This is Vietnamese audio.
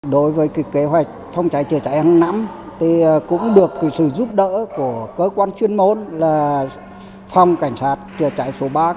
đối với kế hoạch phòng cháy chữa cháy hà nội cũng được sự giúp đỡ của cơ quan chuyên môn là phòng cảnh sát chữa cháy số ba